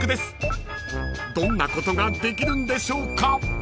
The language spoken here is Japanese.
［どんなことができるんでしょうか］